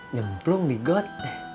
nyemplung di got